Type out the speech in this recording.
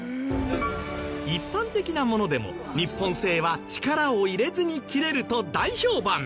一般的なものでも日本製は力を入れずに切れると大評判！